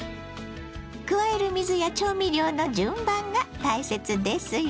加える水や調味料の順番が大切ですよ。